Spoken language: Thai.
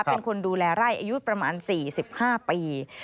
เป็นคนดูแลไร่อายุประมาณ๔๕ปี